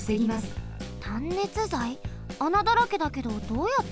あなだらけだけどどうやって？